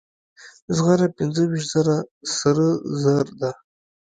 زغره پنځه ویشت زره سره زر ده.